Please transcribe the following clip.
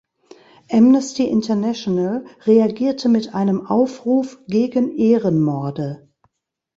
Amnesty International reagierte mit einem Aufruf gegen Ehrenmorde.